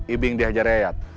ibing diajar yayat